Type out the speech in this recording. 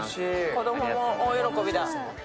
子供も大喜びだ。